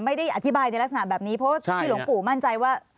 ไม่ได้อธิบายในลักษณะแบบนี้เพราะที่หลวงปู่มั่นใจว่า